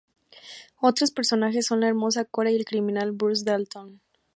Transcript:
Otros personajes son la hermosa "Cora" y el criminal "Bruce Dalton".